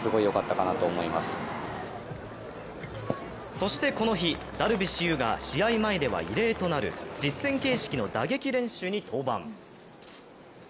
そしてこの日、ダルビッシュ有が試合前では異例となる実戦形式の打撃練習に登板。